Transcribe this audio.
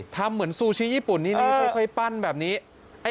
ทำเหมือนซูชิญี่ปุ่นนี้